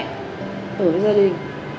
so với gia đình